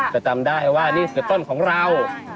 จะจำได้ว่านี่เป็นต้นของเรา